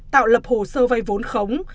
tạo lập hồ sơ vay vốn khống